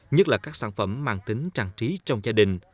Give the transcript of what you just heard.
nhất là các sản phẩm mang tính trang trí trong gia đình